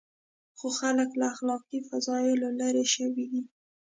خو خلک له اخلاقي فضایلو لرې شوي دي.